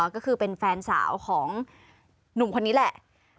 ก็คือเป็นแฟนสาวของหนุ่มคนนี้แหละ